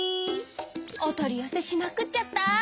おとりよせしまくっちゃった。